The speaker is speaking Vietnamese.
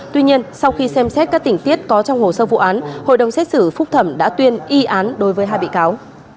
tuy nhiên sau khi xem xét các tỉnh tiết có trong hồ sơ vụ án hội đồng xét xử phúc thẩm đã tuyên y án đối với hai bị cáo